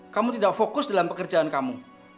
kamu tidak fokus dalam pekerjaan kamu